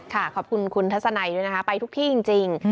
ขอบคุณคุณทัศนัยด้วยนะคะไปทุกที่จริง